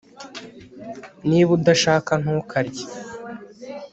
Niba udashaka ntukarye